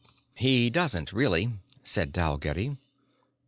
"He doesn't really," said Dalgetty.